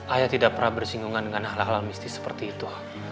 ayah tidak pernah bersinggungan dengan hal hal mistis seperti itu